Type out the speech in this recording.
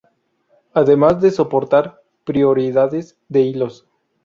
Ademas de soportar prioridades de hilos.